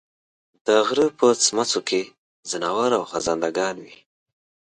د غرۀ په څمڅو کې ځناور او خزندګان وي